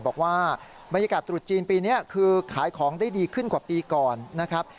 บอกว่าบรรยากาศตรุษจีนปีนี้คือขายของได้ดีขึ้นกว่าปีก่อนนะครับ